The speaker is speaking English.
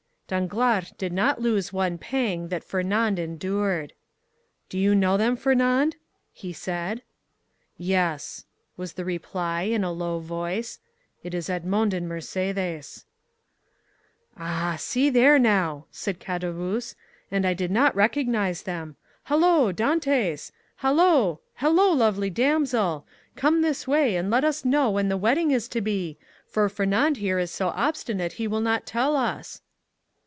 Danglars did not lose one pang that Fernand endured. "Do you know them, Fernand?" he said. "Yes," was the reply, in a low voice. "It is Edmond and Mercédès!" "Ah, see there, now!" said Caderousse; "and I did not recognize them! Hallo, Dantès! hello, lovely damsel! Come this way, and let us know when the wedding is to be, for Fernand here is so obstinate he will not tell us."